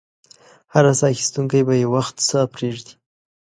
هر ساه اخیستونکی به یو وخت ساه پرېږدي.